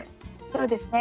そうですね。